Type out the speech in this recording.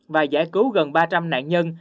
và giải cứu gần ba trăm linh nạn nhân